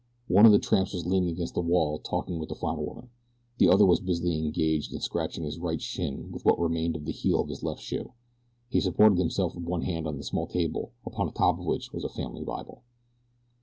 One of the tramps was leaning against the wall talking with the farmer woman. The other was busily engaged in scratching his right shin with what remained of the heel of his left shoe. He supported himself with one hand on a small table upon the top of which was a family Bible.